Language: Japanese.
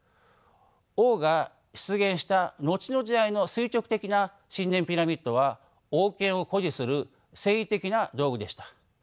王が出現した後の時代の垂直的な神殿ピラミッドは王権を誇示する政治的な道具でした。